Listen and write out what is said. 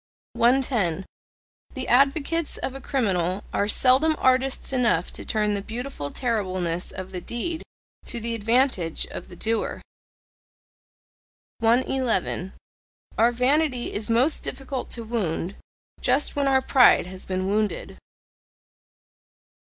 110. The advocates of a criminal are seldom artists enough to turn the beautiful terribleness of the deed to the advantage of the doer. 111. Our vanity is most difficult to wound just when our pride has been wounded.